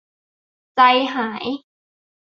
ใจหาย